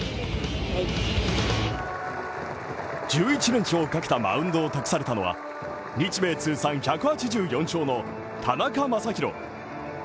１１連勝をかけたマウンドを託されたのは日米通算１８４勝の田中将大。